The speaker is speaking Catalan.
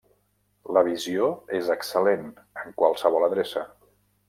La visió és excel·lent en qualsevol adreça.